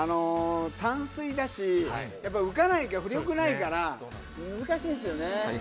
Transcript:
淡水だし、やっぱ浮かないから、浮力ないから、難しいんですよね。